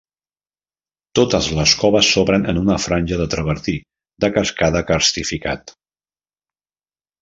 Totes les coves s'obren en una franja de travertí de cascada carstificat.